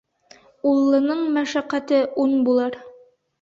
Уллының мәшәҡәте ун булыр.